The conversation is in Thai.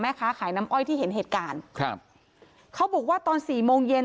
ค้าขายน้ำอ้อยที่เห็นเหตุการณ์ครับเขาบอกว่าตอนสี่โมงเย็น